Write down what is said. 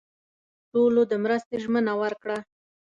ټولو د مرستې ژمنه ورکړه.